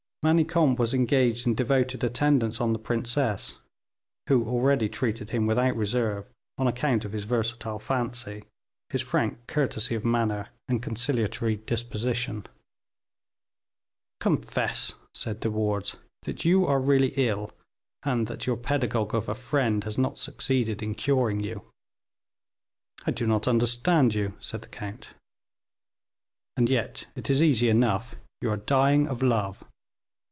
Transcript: Manicamp was engaged in devoted attendance on the princess, who already treated him without reserve, on account of his versatile fancy, his frank courtesy of manner, and conciliatory disposition. "Confess," said De Wardes, "that you are really ill, and that your pedagogue of a friend has not succeeded in curing you." "I do not understand you," said the count. "And yet it is easy enough; you are dying of love."